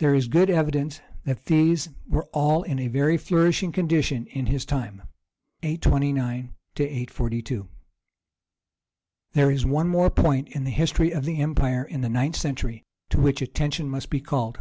There is good evidence that these were all in a very flourishing condition in his time. [829 42.] There is one more point in the history of the empire in the ninth century to which attention must be called.